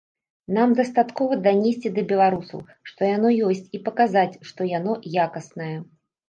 Нам дастаткова данесці да беларусаў, што яно ёсць і паказаць, што яно якаснае.